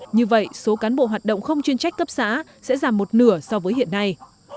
như vậy số cán bộ hoạt động không chuyên trách cấp xã sẽ giảm một nửa so với hiện nay